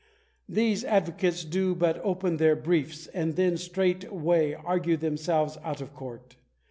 These advocates do but open their briefs, and then straightway argue themselves out of court.